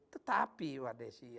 tetapi pak desi